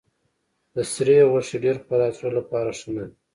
د سرې غوښې ډېر خوراک د زړه لپاره ښه نه دی.